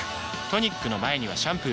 トニックの前にはシャンプーも